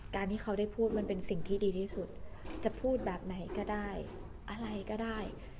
การที่เขาได้พูดมันเป็นสิ่งที่ดีที่สุดจะพูดแบบไหนก็ได้อะไรก็ได้